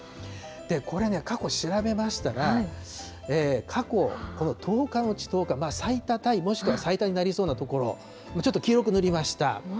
これね、過去調べましたら、過去、この１０日のうち１０日、最多タイ、もしくは最多になりそうな所、ちょっと黄色く塗りました。